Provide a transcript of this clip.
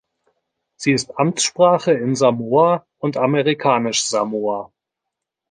Sie ist Amtssprache in Samoa und Amerikanisch-Samoa.